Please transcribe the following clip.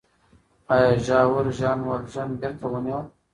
آیا ژاور ژان والژان بېرته ونیوه؟